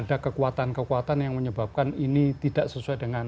ada kekuatan kekuatan yang menyebabkan ini tidak sesuai dengan